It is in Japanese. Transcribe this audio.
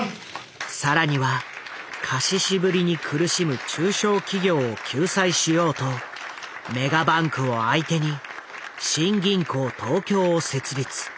更には貸し渋りに苦しむ中小企業を救済しようとメガバンクを相手に新銀行東京を設立。